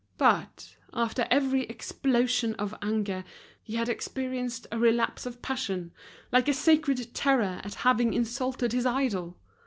But, after every explosion of anger, he had experienced a relapse of passion, like a sacred terror at having insulted his idol.